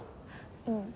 うん。